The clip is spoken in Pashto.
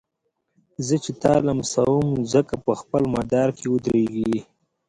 زه چي تا لمسوم مځکه په خپل مدار کي ودريږي